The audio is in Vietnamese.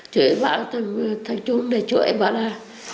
chủi bà thầm thầm chung để chửi bà là